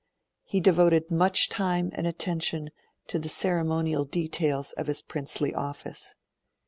He devoted much time and attention to the ceremonial details of his princely office.